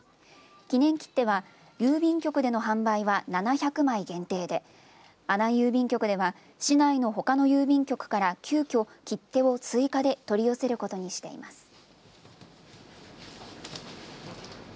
記念切手は、郵便局での販売は７００枚限定で阿南郵便局では市内のほかの郵便局から急きょ、切手を追加で取り寄せることにしています。